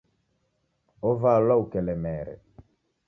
Ovalwa ukelemere.